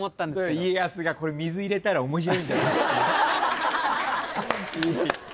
家康がこれ水入れたら面白いんじゃない。